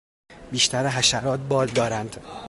بیشتر حشرات بال دارند.